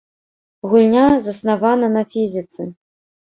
Гульня заснавана на фізіцы.